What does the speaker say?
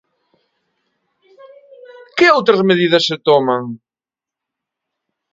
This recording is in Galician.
¿Que outras medidas se toman?